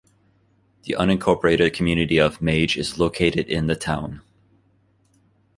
The unincorporated community of Madge is located in the town.